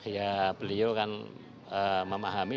ya beliau akan memahami